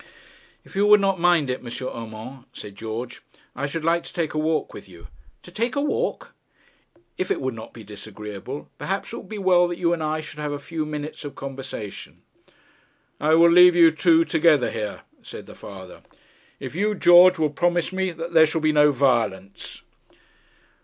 'If you would not mind it, M. Urmand,' said George, 'I should like to take a walk with you.' 'To take a walk?' 'If it would not be disagreeable. Perhaps it would be well that you and I should have a few minutes of conversation.' 'I will leave you together here,' said the father, 'if you, George, will promise me that there shall be no violence.'